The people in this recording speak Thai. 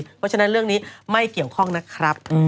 เพราะฉะนั้นเรื่องนี้ไม่เกี่ยวข้องนะครับ